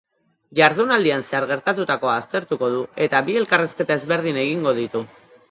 Jardunaldian zehar gertatutakoa aztertuko du eta bi elkarrizketa ezberdin egingo ditu.